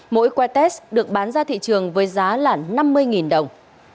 mỗi que test được bán ra thị trường với giá là năm mươi đồng